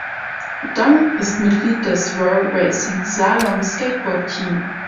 Dong ist Mitglied des RoeRacing Slalom Skateboard Team.